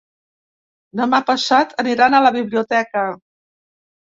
Demà passat aniran a la biblioteca.